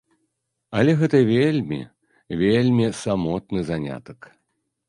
Але гэта вельмі, вельмі самотны занятак.